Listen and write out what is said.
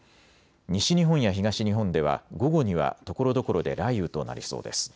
西日本や東日本では午後にはところどころで雷雨となりそうです。